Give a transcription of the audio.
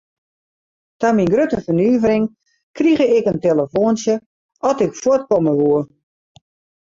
Ta myn grutte fernuvering krige ik in telefoantsje oft ik fuort komme woe.